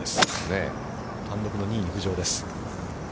単独２位に浮上です。